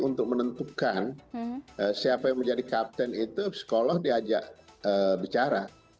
untuk menentukan siapa yang menjadi kapten itu sekolah diajak bicara